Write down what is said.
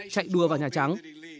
chạy đua vào nhà trắng